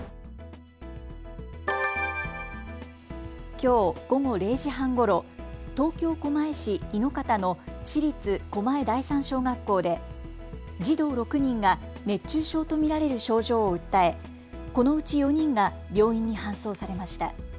きょう午後０時半ごろ東京狛江市猪方の市立狛江第三小学校で児童６人が熱中症と見られる症状を訴え、このうち４人が病院に搬送されました。